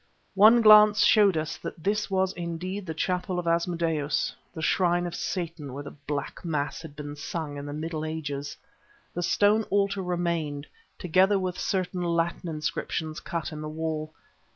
One glance showed us that this was indeed the chapel of Asmodeus, the shrine of Satan where the Black Mass had been sung in the Middle Ages. The stone altar remained, together with certain Latin inscriptions cut in the wall.